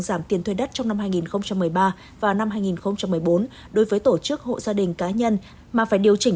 giảm tiền thuê đất trong năm hai nghìn một mươi ba và năm hai nghìn một mươi bốn đối với tổ chức hộ gia đình cá nhân mà phải điều chỉnh